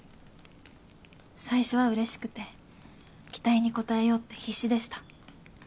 最初はうれしくて期待に応えようって必死でした。